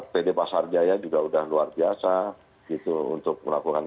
pd pasar jaya juga udah luar biasa gitu untuk melakukan